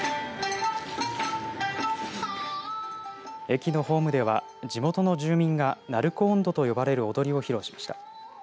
駅のホームでは、地元の住民が鳴子音頭と呼ばれる踊りを披露しました。